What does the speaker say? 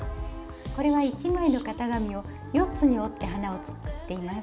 これは１枚の型紙を４つに折って花を作っています。